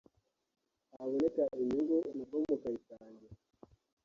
haboneka inyungu na bwo mukayisangira